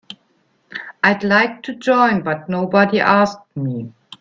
I'd like to join but nobody asked me.